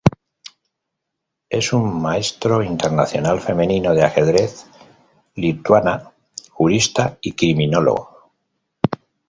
Es una Maestro Internacional Femenino de ajedrez lituana, jurista y criminólogo.